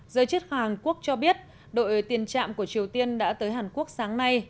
giới chức hàn quốc cho biết đội tiền trạm của triều tiên đã tới hàn quốc sáng nay